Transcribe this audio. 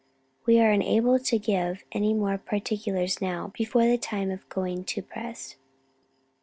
"We are unable to give any more particulars now, before the time of going to press."